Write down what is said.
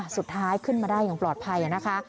สุดท้ายขึ้นมาได้อย่างปลอดภัยนะคะ